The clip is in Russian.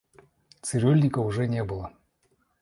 Цирюльника уже не было.